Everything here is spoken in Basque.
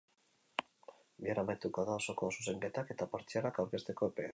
Bihar amaituko da osoko zuzenketak eta partzialak aurkezteko epea.